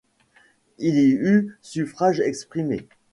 Il y eut suffrages exprimés.